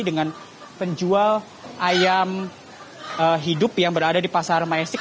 dengan penjual ayam hidup yang berada di pasar majestik